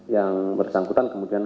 yang bersangkutan kemudian